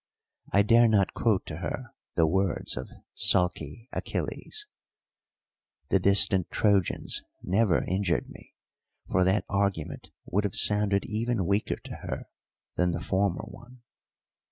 I dare not quote to her the words of sulky Achilles: The distant Trojans never injured me, for that argument would have sounded even weaker to her than the former one.